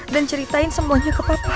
dan ceritain semuanya ke papa